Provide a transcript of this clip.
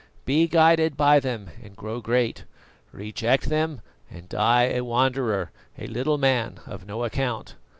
Be guided by them and grow great; reject them and die a wanderer, a little man of no account.